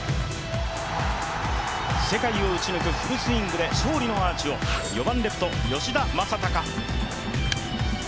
世界を打ち抜くフルスイングで勝利をのアーチを４番レフト・吉田正尚。